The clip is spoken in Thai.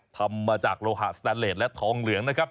ทำมาจากโลหะสแตนเลสและทองเหลืองนะครับ